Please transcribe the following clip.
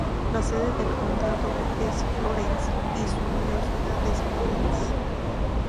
La sede del condado es Florence, y su mayor ciudad es Florence.